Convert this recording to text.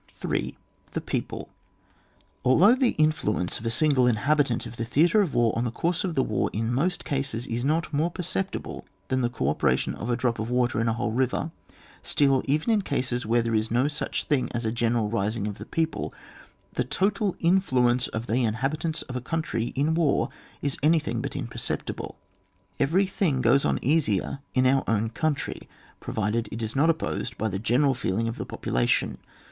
S.^The People, Although the influence of a single inhabitant of the theatre of war on the course of the war in most cases is not more perceptible than the co operation of a drop of water in a whole river, still even in cases where there is no such thing as a general rising of the people, the total influence of the inhabitants of a coun try in war is anything but imperceptible. Every thing goes on easier in our own country, provided it is not opposed by the general feeling of the population.